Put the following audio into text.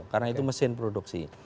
karena itu mesin produksi